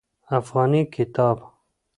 افغاني کتاب